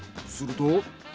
すると。